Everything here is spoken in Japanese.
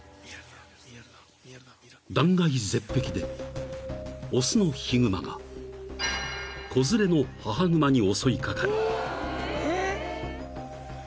［断崖絶壁で雄のヒグマが子連れの母グマに襲い掛かる］